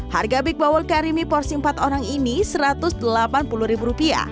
harga big baul karimy porsi empat orang ini rp satu ratus delapan puluh